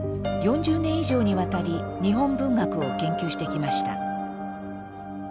４０年以上にわたり日本文学を研究してきました。